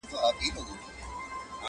سړي وویل ستا ورور صدراعظم دئ،